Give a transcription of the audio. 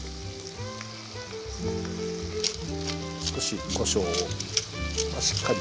少しこしょうをしっかり。